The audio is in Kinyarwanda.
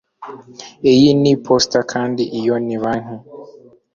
Iyi ni iposita kandi iyo ni banki.